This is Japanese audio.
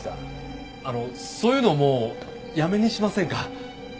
あのそういうのもうやめにしませんか？